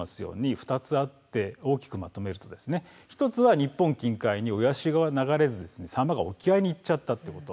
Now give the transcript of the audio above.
大きくまとめると日本近海に親潮が流れずサンマが沖合に行っちゃったこと。